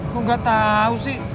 kok gak tau sih